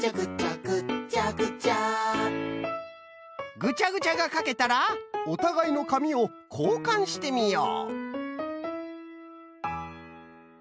ぐちゃぐちゃがかけたらおたがいのかみをこうかんしてみよう。